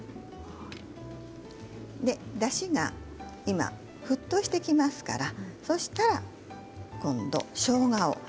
だしが沸騰してきますからそうしたら今度しょうがを。